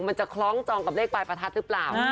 มันจะคล้องจองกับเลขปลายประทัดหรือเปล่า